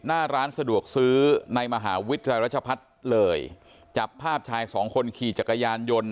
หน้าร้านสะดวกซื้อในมหาวิทยาลัยรัชพัฒน์เลยจับภาพชายสองคนขี่จักรยานยนต์